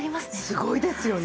すごいですよね。